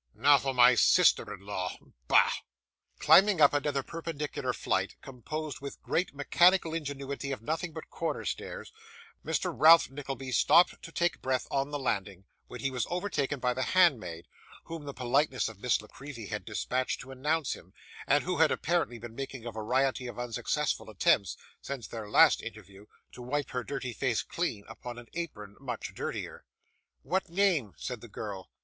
'Now for my sister in law. Bah!' Climbing up another perpendicular flight, composed with great mechanical ingenuity of nothing but corner stairs, Mr. Ralph Nickleby stopped to take breath on the landing, when he was overtaken by the handmaid, whom the politeness of Miss La Creevy had dispatched to announce him, and who had apparently been making a variety of unsuccessful attempts, since their last interview, to wipe her dirty face clean, upon an apron much dirtier. 'What name?' said the girl.